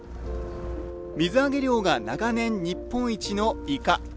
水揚げ量が長年、日本一のイカ。